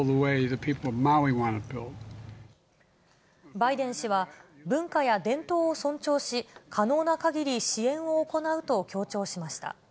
バイデン氏は文化や伝統を尊重し、可能なかぎり支援を行うと強調しました。